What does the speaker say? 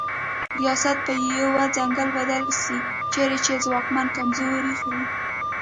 ریاست په یو ځنګل بدل سي چیري چي ځواکمن کمزوري خوري